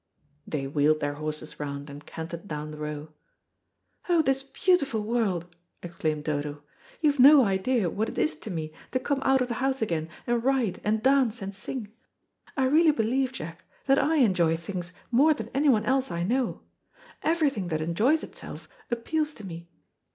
They wheeled their horses round, and cantered down the Row. "Oh, this beautiful world," exclaimed Dodo. "You've no idea what it is to me to come out of the house again, and ride, and dance and sing. I really believe, Jack, that I enjoy things more than anyone else I know. Everything that enjoys itself appeals to me.